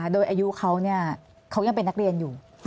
โดยอายุเขาเขายังเป็นนักเรียนอยู่